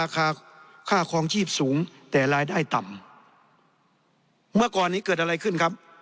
ค่าค่าคลองชีพสูงแต่รายได้ต่ำเมื่อก่อนนี้เกิดอะไรขึ้นครับ